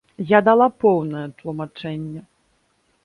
Я дала поўнае тлумачэнне.